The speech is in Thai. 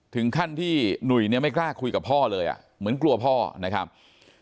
ถึงขั้นที่หนุ่ยเนี่ยไม่กล้าคุยกับพ่อเลยอ่ะเหมือนกลัวพ่อนะครับ